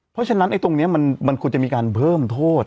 เพราะฉะนั้นตรงนี้มันควรจะมีการเพิ่มโทษ